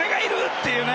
っていうね。